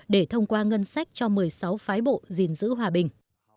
để thông qua ngân sách cho một mươi sáu phái bộ gìn giữ hòa bình